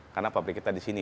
karena pabrik kita di sini